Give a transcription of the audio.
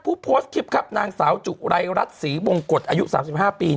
ผู้โพสต์คลิปครับนางสาวจุไรรัฐศรีบงกฎอายุ๓๕ปี